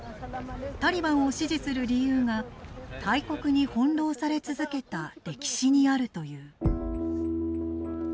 タリバンを支持する理由が大国に翻弄され続けた歴史にあるという。